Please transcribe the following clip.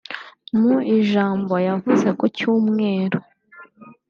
Mu ijambo yavuze ku Cyumweru